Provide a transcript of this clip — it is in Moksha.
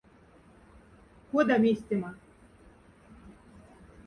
Кода местема?